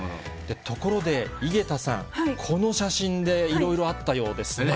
ところで井桁さん、この写真でいろいろあったようですね。